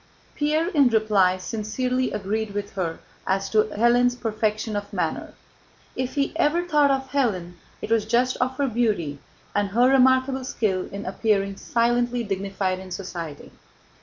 Pierre, in reply, sincerely agreed with her as to Hélène's perfection of manner. If he ever thought of Hélène, it was just of her beauty and her remarkable skill in appearing silently dignified in society.